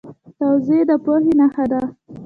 تواضع د پوهې نښه ده.